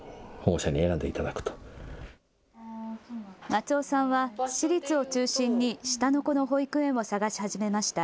松尾さんは私立を中心に下の子の保育園を探し始めました。